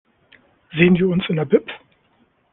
Sehen wir uns in der Bib?